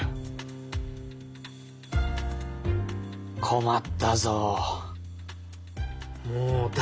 困ったぞ。